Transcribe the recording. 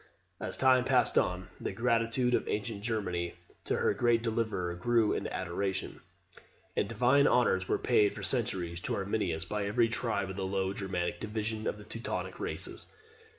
As time passed on, the gratitude of ancient Germany to her great deliverer grew into adoration, and divine honours were paid for centuries to Arminius by every tribe of the Low Germanic division of the Teutonic races.